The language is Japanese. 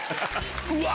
うわ！